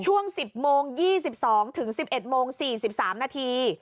ช่วง๑๐โมง๒๒ถึง๑๑โมง๔๓นาที